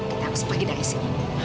kita harus pergi dari sini